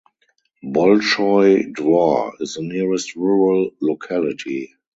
Bolshoy Dvor is the nearest rural locality.